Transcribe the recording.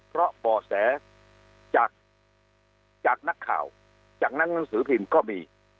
เพราะบ่อแสจากนักข่าวจากนักหนังสือพิมพ์ก็มี